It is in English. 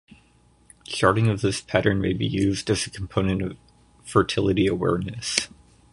Charting of this pattern may be used as a component of fertility awareness.